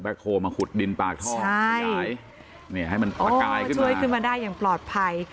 โคมาขุดดินปากท่อขยายให้มันประกายขึ้นมาช่วยขึ้นมาได้อย่างปลอดภัย